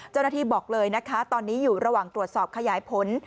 เจ้าหน้าที่บอกเลยนะคะตอนนี้อยู่ระหว่างตรวจสอบขยายผล